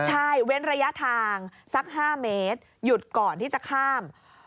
ใช่เว้นระยะทางสัก๕เมตรหยุดก่อนที่จะข้าม